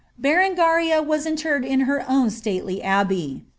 Berengaria was interred in her own stately abbey.